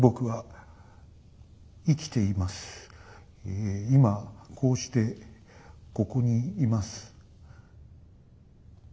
ええ今こうしてここにいます。